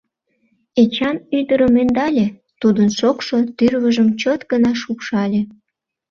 Эчан ӱдырым ӧндале, тудын шокшо тӱрвыжым чот гына шупшале.